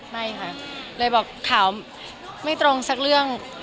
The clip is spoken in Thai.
ไม่ค่ะเลยบอกข่าวไม่ตรงสักเรื่อง